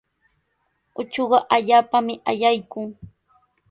Uchuqa allaapami ayaykun.